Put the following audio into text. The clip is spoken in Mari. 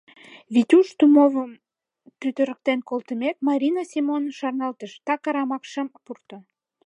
Витюш Тумовым тӱтырыктен колтымек, Марина Семоным шарналтыш: «Так арамак шым пурто.